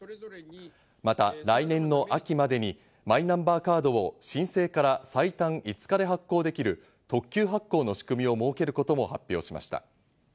また来年秋までにマイナンバーカードを申請から最短５日で発行できる特急発行の仕組みを設けることも発表しました。